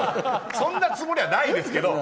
そんなつもりはないですけど。